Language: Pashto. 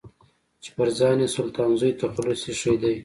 چې پر ځان يې سلطان زوی تخلص ايښی دی.